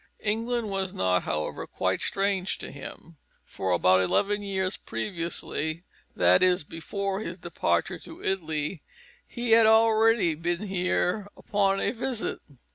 England was not, however, quite strange to him, for about eleven years previously that is, before his departure to Italy he had already been here upon a visit.